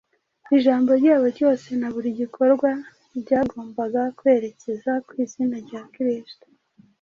Ijambo ryabo ryose na buri gikorwa byagombaga kwerekeza ku izina rya Kristo